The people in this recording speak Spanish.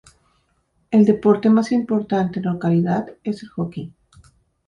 El deporte más importante en la localidad es el hockey.